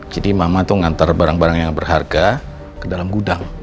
jadi mama itu ngantar barang barang yang berharga ke dalam gudang